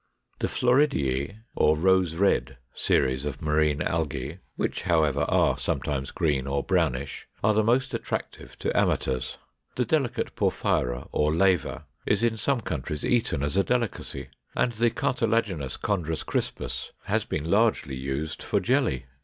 510. The Florideæ or Rose red series of marine Algæ (which, however, are sometimes green or brownish) are the most attractive to amateurs. The delicate Porphyra or Laver is in some countries eaten as a delicacy, and the cartilaginous Chondrus crispus has been largely used for jelly.